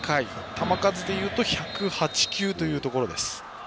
球数では１０８球というところです。